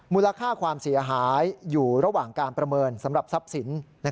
มูลค่าความเสียหายอยู่ระหว่างการประเมินสำหรับทรัพย์สิน